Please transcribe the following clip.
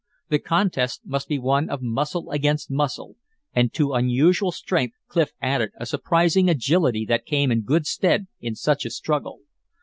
The contest must be one of muscle against muscle; and to unusual strength Clif added a surprising agility that came in good stead in such a struggle.